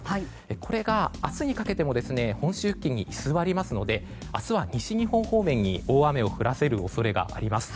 これが明日にかけても本州付近に居座りますので明日は西日本方面に大雨を降らせる恐れがあります。